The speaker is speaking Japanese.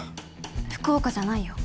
福岡じゃないよ。